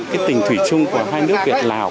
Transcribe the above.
cái tình thủy chung của hai nước việt lào